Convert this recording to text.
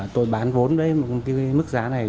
tôi bán vốn với một công ty mức giá này